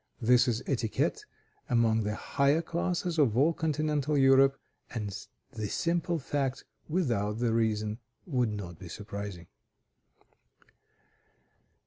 This is etiquette among the higher classes of all Continental Europe, and the simple fact, without the reason, would not be surprising.